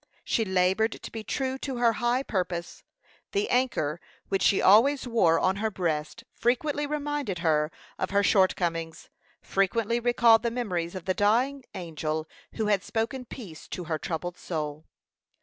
She labored to be true to her high purpose. The anchor which she always wore on her breast frequently reminded her of her short comings frequently recalled the memories of the dying angel who had spoken peace to her troubled soul.